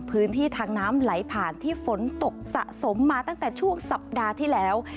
พื้นที่ทางน้ำไหลผ่านที่ฝนตกสะสมมาตั้งแต่ช่วงสัปดาห์ที่แล้ว